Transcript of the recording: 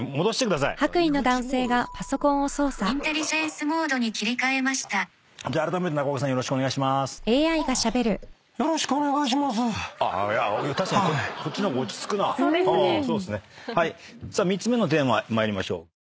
さあ３つ目のテーマ参りましょう。